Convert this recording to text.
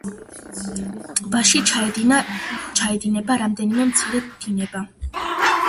ტბაში ჩაედინება რამდენიმე მცირე დინება.